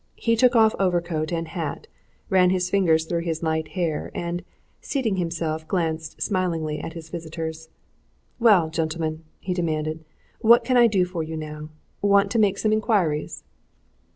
He took off overcoat and hat, ran his fingers through his light hair, and, seating himself, glanced smilingly at his visitors. "Well, gentlemen!" he demanded. "What can I do for you now? Want to make some inquiries?"